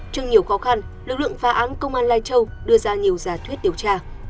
trong nhiều khó khăn lực lượng phá án công an lai châu đưa ra nhiều giả thuyết điều tra